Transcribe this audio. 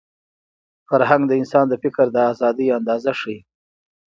فرهنګ د انسان د فکر د ازادۍ اندازه ښيي.